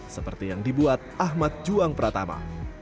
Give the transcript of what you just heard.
seperti yang dibuat ahmad juang pratama